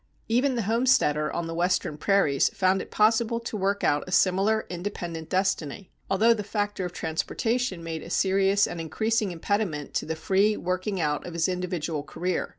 Even the homesteader on the Western prairies found it possible to work out a similar independent destiny, although the factor of transportation made a serious and increasing impediment to the free working out of his individual career.